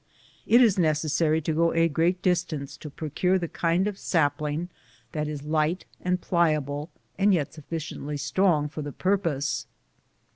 It is' necessary to go a great distance to pro cure the kind of sapling that is light and pliable and yet sufficiently strong for the purpose.